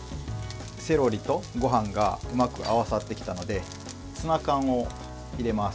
セロリと、ごはんがうまく合わさってきたのでツナ缶を入れます。